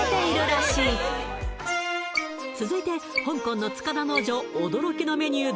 続いて香港の塚田農場驚きのメニュー